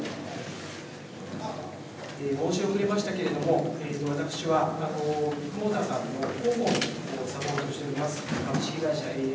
申し遅れましたけれども私はビッグモーターの広報をサポートしております。